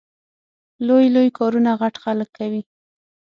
لوی لوی کارونه غټ خلګ کوي